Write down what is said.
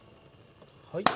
はい。